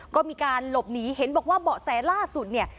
ก็มีการหลบหนีเห็นบอกว่าเบาะแสล่าสุดเนี่ย